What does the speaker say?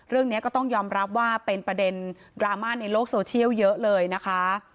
เรื่องนี้ก็ต้องยอมรับว่าเป็นประเด็นดราม่าในโลกโซเชียลเยอะเลยนะคะ